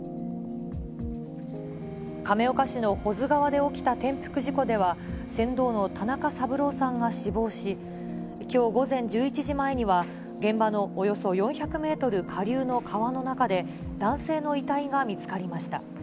亀岡市の保津川で起きた転覆事故では、船頭の田中三郎さんが死亡し、きょう午前１１時前には、現場のおよそ４００メートル下流の川の中で、男性の遺体が見つかりました。